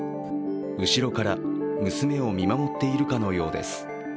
後ろから娘を見守っているかのようです。